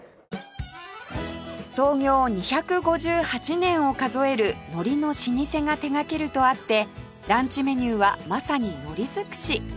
創業２５８年を数える海苔の老舗が手掛けるとあってランチメニューはまさに海苔づくし